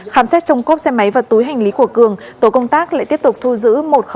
thì chúng tôi cũng kiên quyết